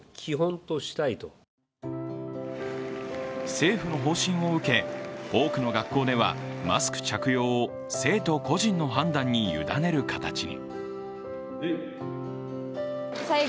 政府の方針を受け、多くの学校ではマスク着用を生徒個人の判断にゆだねる形に。